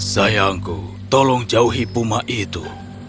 sayangku tolong jauhi puma itu